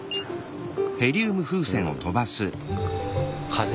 風？